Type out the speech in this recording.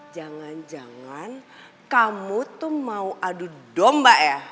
jangan jangan kamu tuh mau adu domba ya